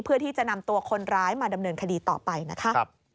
เพื่อที่จะนำตัวคนร้ายมาดำเนินคดีต่อไปนะคะ